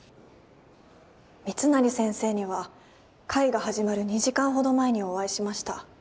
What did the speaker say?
密成先生には会が始まる２時間ほど前にお会いしました。